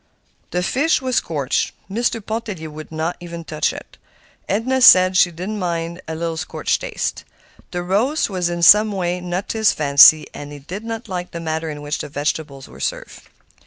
The fish was scorched. Mr. Pontellier would not touch it. Edna said she did not mind a little scorched taste. The roast was in some way not to his fancy, and he did not like the manner in which the vegetables were served.